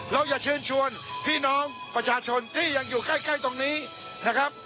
เราอยากเชิญชวนพี่น้องประชาชนที่ยังอยู่ใกล้ตรงนี้นะครับ